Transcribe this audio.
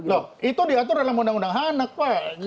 loh itu diatur dalam undang undang anak pak